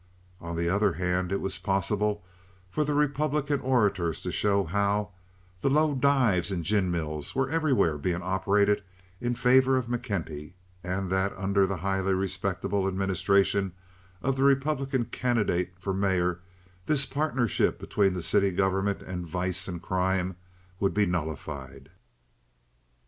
On the other hand it was possible for the Republican orators to show how "the low dives and gin mills" were everywhere being operated in favor of McKenty, and that under the highly respectable administration of the Republican candidate for mayor this partnership between the city government and vice and crime would be nullified.